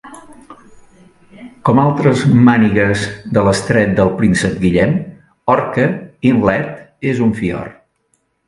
Com altres mànigues de l'Estret del Príncep Guillem, Orca Inlet és un fiord.